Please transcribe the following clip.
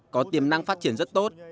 có tiềm năng phát triển rất tốt